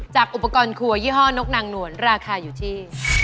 อุปกรณ์ครัวยี่ห้อนกนางหนวลราคาอยู่ที่